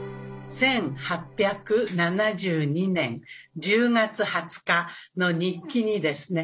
１８７２年１０月２０日の日記にですね